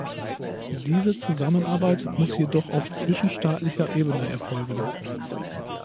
Diese Zusammenarbeit muss jedoch auf zwischenstaatlicher Ebene erfolgen.